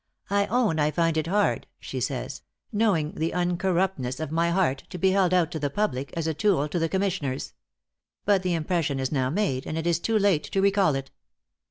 "I own I find it hard," she says, "knowing the uncorruptness of my heart, to be held out to the public as a tool to the commissioners. But the impression is now made, and it is too late to recall it.